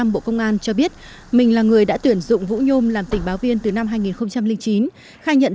bộ công an cho biết mình là người đã tuyển dụng vũ nhôm làm tình báo viên từ năm hai nghìn chín khai nhận